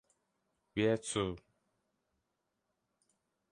Where to?